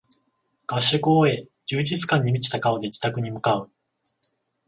合宿を終え充実感に満ちた顔で自宅に向かう